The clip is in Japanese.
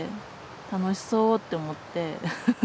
楽しそうって思って。